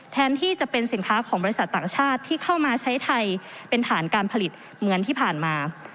แทนที่จะเป็นสินค้าของบริษัทต่างชาติที่เข้ามาใช้ไทยเป็นฐานการผลิตเหมือนที่ผ่านมา